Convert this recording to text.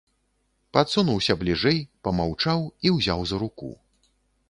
Падсунуўся бліжэй, памаўчаў і ўзяў за руку.